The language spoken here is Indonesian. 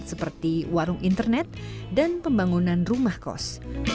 seperti warung internet dan pembangunan rumah kos